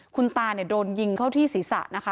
คุณตาโดนยิงเข้าที่ศีรษะนะคะ